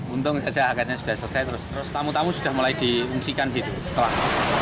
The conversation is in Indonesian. untung saja akarnya sudah selesai terus tamu tamu sudah mulai diungsikan setelah